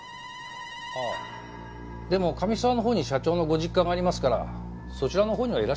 ああでも上諏訪のほうに社長のご実家がありますからそちらのほうにはいらしてるかもしれませんね。